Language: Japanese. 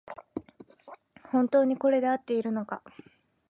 本当にこれであっているのか